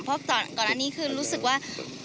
เพราะก่อนอันนี้คือรู้สึกว่า